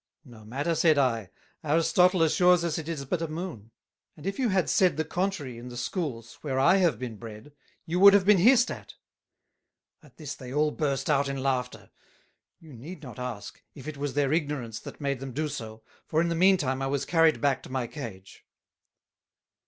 "No matter," said I, "Aristotle assures us it is but a Moon; and if you had said the contrary in the Schools, where I have been bred, you would have been hissed at." At this they all burst out in laughter; you need not ask, if it was their Ignorance that made them do so; for in the mean time I was carried back to my Cage.